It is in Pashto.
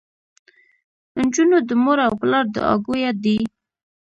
انجونو د مور او پلار دوعاګويه دي.